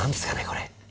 これ。